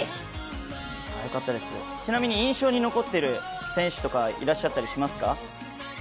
ちなみに印象に残っている選手はいらっしゃいますか？